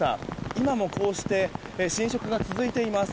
今もこうして浸食が続いています。